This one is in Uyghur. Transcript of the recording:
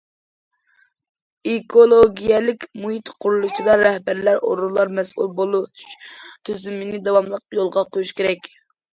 ئېكولوگىيەلىك مۇھىت قۇرۇلۇشىدا رەھبەرلەر، ئورۇنلار مەسئۇل بولۇش تۈزۈمىنى داۋاملىق يولغا قويۇش كېرەك.